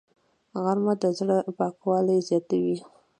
غرمه د زړه پاکوالی زیاتوي